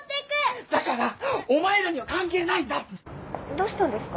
だからお前らには関係ないんだっての。どうしたんですか？